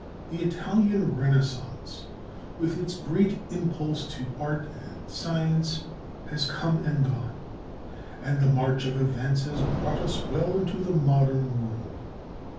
The Italian Renaissance with its great impulse to art and science has come and gone, and the march of events has brought us well into the modern world.